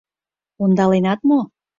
— Ондаленат мо?